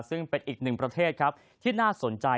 ซึ่งเป็นอีกหนึ่งประเทศครับที่น่าสนใจ